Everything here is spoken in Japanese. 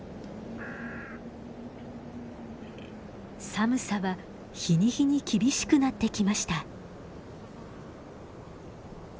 寒さは日に日に厳しくなってきました。